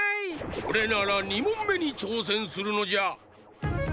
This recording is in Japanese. それなら２もんめにちょうせんするのじゃ！